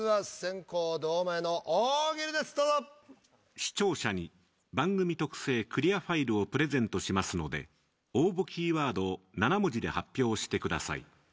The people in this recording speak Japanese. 視聴者に番組特製クリアファイルをプレゼントしますので応募キーワードを７文字で発表してください。